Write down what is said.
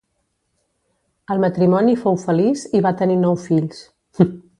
El matrimoni fou feliç i va tenir nou fills.